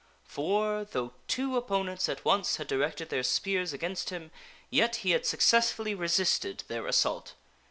For, though two sir Ka opponents at once had directed their spears against him, yet he had successfully resisted their assault.